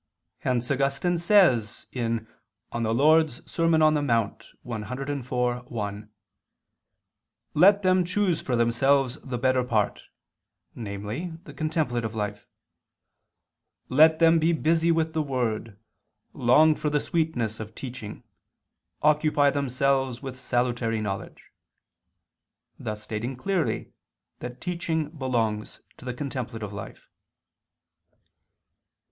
Hence Augustine says (De Verb. Dom. Serm. civ, 1): "Let them choose for themselves the better part," namely the contemplative life, "let them be busy with the word, long for the sweetness of teaching, occupy themselves with salutary knowledge," thus stating clearly that teaching belongs to the contemplative life.